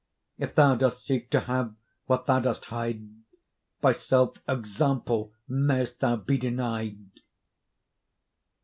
If thou dost seek to have what thou dost hide, By self example mayst thou be denied!